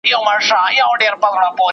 ¬ لښکر که ډېر وي، بې مشره هېر وي.